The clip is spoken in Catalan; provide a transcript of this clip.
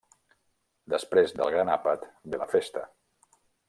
Després del gran àpat ve la festa.